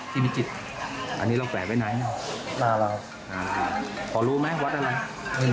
ไปกลับไปทำงานหรือว่า